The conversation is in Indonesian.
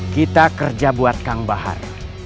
kita kerja buat kang bahar